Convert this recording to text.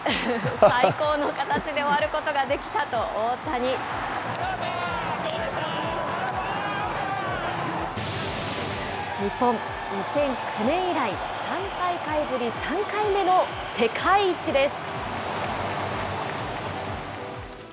最高の形で終わることができたと大谷。日本、２００９年以来３大会ぶり、３回目の世界一です。